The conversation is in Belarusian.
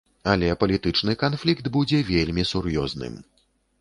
Але палітычны канфлікт будзе вельмі сур'ёзным.